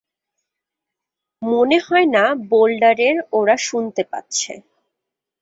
মনে হয় না বোল্ডারের ওরা শুনতে পাচ্ছে।